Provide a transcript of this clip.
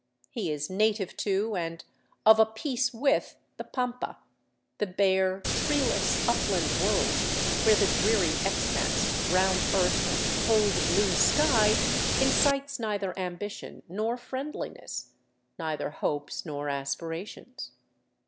He is native to, and of a piece with, the pampa, the bare, treeless upland world where the dreary expanse of brown earth and cold blue sky incites neither am bition nor friendliness, neither hopes nor aspirations.